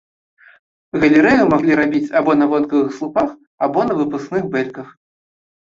Галерэю маглі рабіць або на вонкавых слупах, або на выпускных бэльках.